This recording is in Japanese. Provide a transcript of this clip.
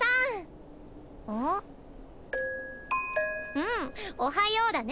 うん「おはよう」だね。